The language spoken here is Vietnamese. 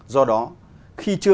do đó khi chưa đủ